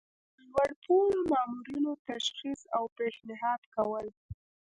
د لوړ پوړو مامورینو تشخیص او پیشنهاد کول.